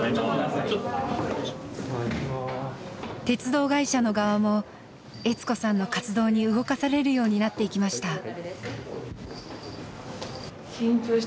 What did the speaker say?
鉄道会社の側も悦子さんの活動に動かされるようになっていきました。